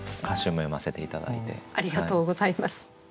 ありがとうございます。